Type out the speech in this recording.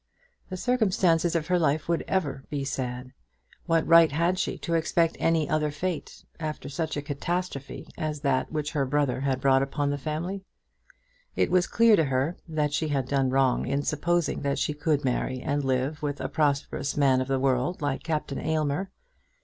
The circumstances of her life would ever be sad. What right had she to expect any other fate after such a catastrophe as that which her brother had brought upon the family? It was clear to her that she had done wrong in supposing that she could marry and live with a prosperous man of the world like Captain Aylmer.